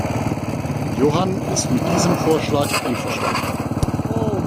Johann ist mit diesem Vorschlag einverstanden.